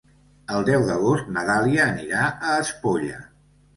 El deu d'agost na Dàlia anirà a Espolla.